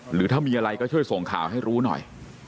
หรือถ้ามีอะไรก็ช่วยส่งข่าวให้รู้หน่อย